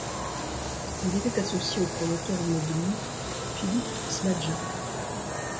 Il était associé au promoteur immobilier Philippe Smadja.